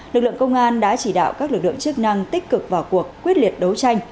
lực lượng công an đã chỉ đạo các lực lượng chức năng tích cực vào cuộc quyết liệt đấu tranh